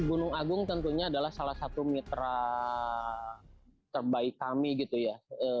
gunung agung tentunya adalah salah satu mitra terbaik kami gitu ya